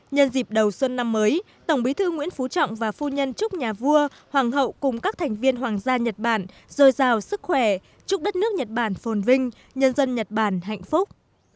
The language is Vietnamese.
nhân dịp đầu xuân năm mới tổng bí thư nguyễn phú trọng và phu nhân chúc nhà vua hoàng hậu cùng các thành viên hoàng gia nhật bản dồi dào sức khỏe chúc đất nước nhật bản phồn vinh nhân dân nhật bản hạnh phúc